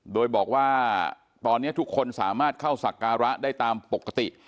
โดยบอกว่าตอนนี้ทุกคนสามารถเข้าสักการะได้ตามปกติ